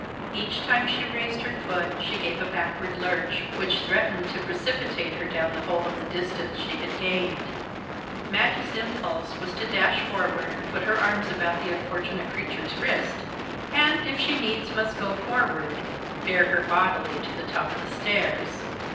Each time she raised her foot she gave a backward lurch, which threatened to precipitate her down the whole of the distance she had gained. Madge's impulse was to dash forward, put her arms about the unfortunate creature's wrist and, if she needs must go forward, bear her bodily to the top of the stairs.